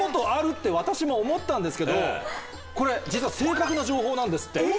って私も思ったんですけどこれ実は正確な情報なんですって。